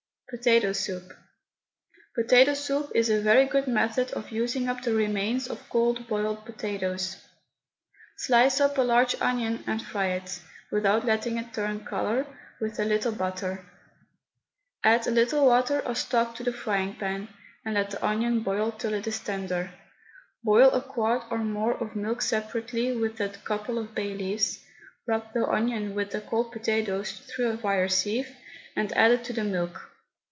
POTATO SOUP. Potato soup is a very good method of using up the remains of cold boiled potatoes. Slice up a large onion and fry it, without letting it turn colour, with a little butter. Add a little water or stock to the frying pan, and let the onion boil till it is tender. Boil a quart or more of milk separately with a couple of bay leaves; rub the onion with the cold potatoes through a wire sieve and add it to the milk.